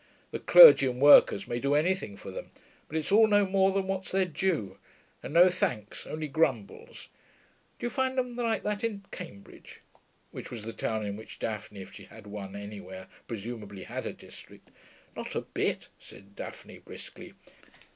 The clergy and workers may do anything for them, but it's all no more than what's their due, and no thanks, only grumbles. Do you find them like that in Cambridge?' (which was the town in which Daphne, if she had one anywhere, presumably had a district). 'Not a bit,' said Daphne briskly.